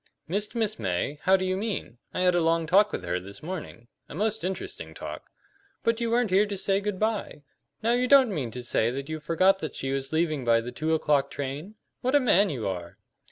"Missed Miss May? How do you mean? I had a long talk with her this morning a most interesting talk." "But you weren't here to say good by. Now you don't mean to say that you forgot that she was leaving by the two o'clock train? What a man you are!"